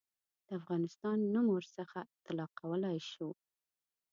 د افغانستان نوم نه ورڅخه اطلاقولای شو.